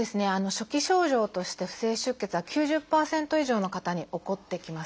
初期症状として不正出血は９０％以上の方に起こってきます。